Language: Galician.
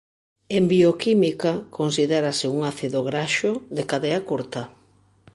En bioquímica considérase un ácido graxo de cadea curta.